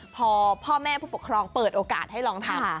พอพ่อแม่ผู้ปกครองเปิดโอกาสให้ลองทำ